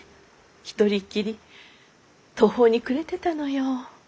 一人っきり途方に暮れてたのよ。